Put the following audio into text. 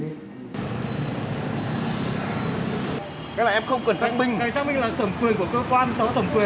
anh sắc minh là thẩm quyền của cơ quan đó là thẩm quyền